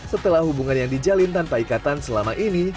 setelah hubungan yang dijalin tanpa ikatan selama ini